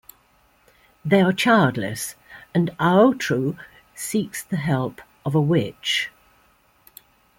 They are childless, and Aotrou seeks the help of a witch.